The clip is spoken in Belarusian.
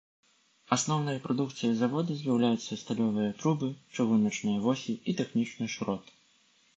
Асноўнай прадукцыяй завода з'яўляюцца сталёвыя трубы, чыгуначныя восі і тэхнічны шрот.